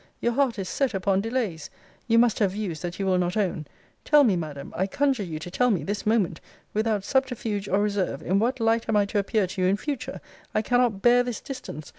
Your heart is set upon delays. You must have views that you will not own. Tell me, Madam, I conjure you to tell me, this moment, without subterfuge or reserve, in what light am I to appear to you in future? I cannot bear this distance.